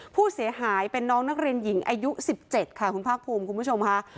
ผู้เสียหายเป็นน้องนักเรียนหญิงอายุ๑๗ค่ะคุณภาคภูมิคุณผู้ชมค่ะ